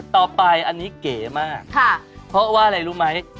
ต่อไปอันนี้เก๋มากเพราะว่าอะไรรู้ไหม